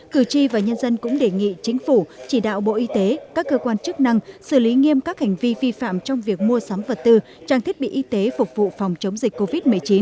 cử tri và nhân dân cũng đề nghị chính phủ chỉ đạo bộ y tế các cơ quan chức năng xử lý nghiêm các hành vi vi phạm trong việc mua sắm vật tư trang thiết bị y tế phục vụ phòng chống dịch covid một mươi chín